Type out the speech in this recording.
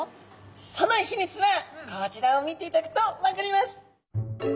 その秘密はこちらを見ていただくと分かります。